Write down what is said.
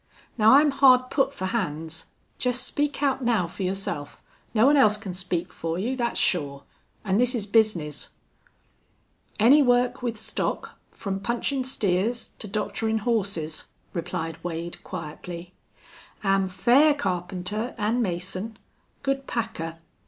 Now I'm hard put fer hands. Jest speak out now fer yourself. No one else can speak fer you, thet's sure. An' this is bizness." "Any work with stock, from punchin' steers to doctorin' horses," replied Wade, quietly. "Am fair carpenter an' mason. Good packer.